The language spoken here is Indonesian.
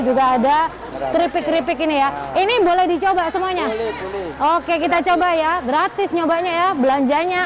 juga ada keripik keripik ini ya ini boleh dicoba semuanya oke kita coba ya gratis nyobanya ya belanjanya